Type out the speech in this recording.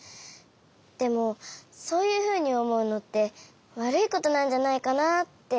でもそういうふうにおもうのってわるいことなんじゃないかなってかんじちゃって。